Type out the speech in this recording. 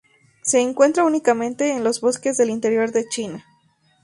Se encuentra únicamente en los bosques del interior de China.